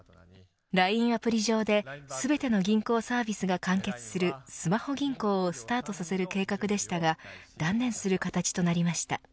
ＬＩＮＥアプリ上で全ての銀行サービスが完結するスマホ銀行をスタートさせる計画でしたが断念する形となりました。